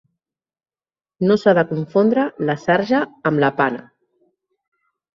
No s'ha de confondre la sarja amb la pana.